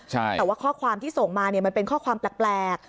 แต่ว่าข้อความที่ส่งมาเนี่ยมันเป็นข้อความแปลก